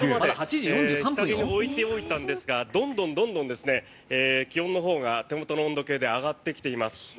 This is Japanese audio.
日陰に置いておいたんですがどんどん気温のほうが手元の温度計で上がってきています。